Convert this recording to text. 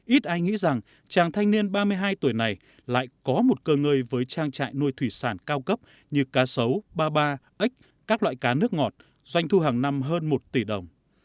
ít ai nghĩ rằng chàng thanh niên ba mươi hai tuổi này lại có một cơ ngơi với trang trại nuôi thủy sản cao cấp như cá sấu ba ba ếch các loại cá nước ngọt doanh thu hàng năm hơn một tỷ đồng